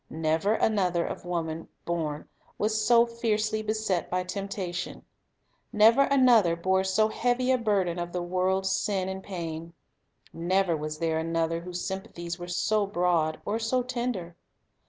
Never another of woman born was so fiercely beset by temptation; never another bore so heavy a burden of the world's sin and pain. Never was there another whose sympathies were so broad or so tender.